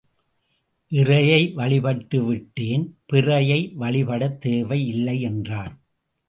இறையை வழிபட்டுவிட்டேன் பிறையை வழிபடத் தேவை இல்லை என்றாள்.